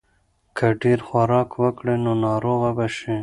که ډېر خوراک وکړې نو ناروغه به شې.